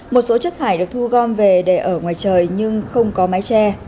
một số chất thải được thu gom về để ở ngoài trời nhưng không có mái tre